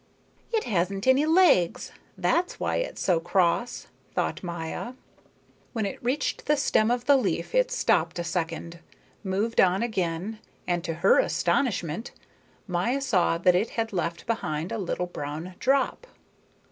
"It hasn't any legs. That's why it's so cross," thought Maya. When it reached the stem of the leaf it stopped a second, moved on again, and, to her astonishment, Maya saw that it had left behind a little brown drop.